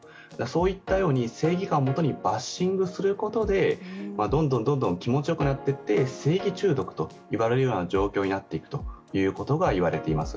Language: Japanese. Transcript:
そういったように正義感をもとにバッシングすることで、どんどん気持ちよくなっていって、正義中毒といわれるような状況になっていくということがいわれています。